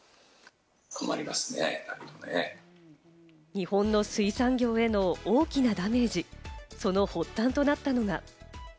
日本の水産業への大きなダメージ、その発端となったのが。